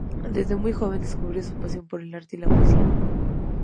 Desde muy joven, descubrió su pasión por el arte y la poesía.